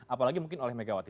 apalagi mungkin oleh megawati